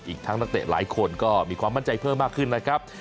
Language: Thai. อีกทั้งนักเตะหลายคนก็มีความมั่นใจเพิ่มมากขึ้นนะครับ